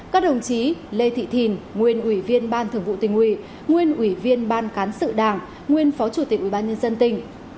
các đồng chí lê thị thìn nguyên ủy viên ban thường vụ tình ủy nguyên ủy viên ban cán sự đảng nguyên phó chủ tịch ubnd tỉnh